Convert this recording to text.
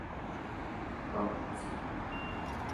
Con Cía.